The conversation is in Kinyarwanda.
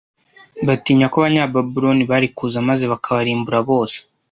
batinya ko Abanyababuloni bari kuza maze bakabarimbura bose